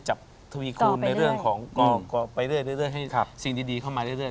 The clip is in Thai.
กับทวีคูณในเรื่องของไปเรื่อยให้สิ่งดีเข้ามาเรื่อย